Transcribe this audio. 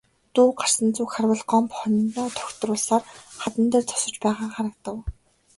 Дуу гарсан зүг харвал Гомбо хонио дугтруулсаар хадан дээр зогсож байгаа харагдав.